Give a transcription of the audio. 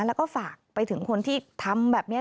แล้วก็ฝากไปถึงคนที่ทำแบบนี้